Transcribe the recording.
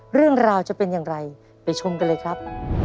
เรื่องราวจะเป็นอย่างไรไปชมกันเลยครับ